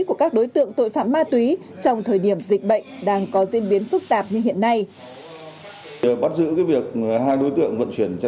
của các đối tượng tội phạm ma túy trong thời điểm dịch bệnh đang có diễn biến phức tạp như hiện nay